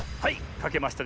かけました！